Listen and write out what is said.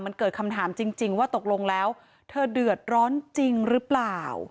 มันเกิดคำถามจริงว่าตกลงแล้วเธอเดือดร้อนจริงหรือเปล่า